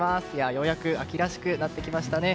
ようやく秋らしくなってきましたね。